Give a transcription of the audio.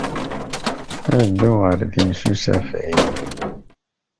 Ad dduɣ ɣer din s usafag.